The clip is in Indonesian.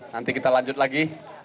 nanti kita lanjut lagi